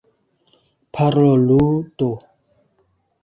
Parolu do!